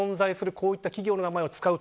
こういった企業の名前を使う。